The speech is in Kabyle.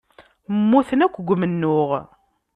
Mmuten akk deg umennuɣ.